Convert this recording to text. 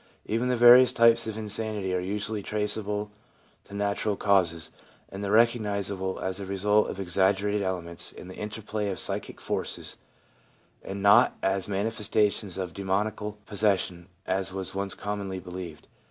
Even the various types of insanity are usually traceable to natural causes, and recognisable as the result of exaggerated elements in the interplay of psychic forces, and not as manifestations of demoniacal possession, as was once commonly believed.